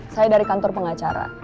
saya dari kantor pengacara